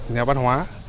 nhà văn hóa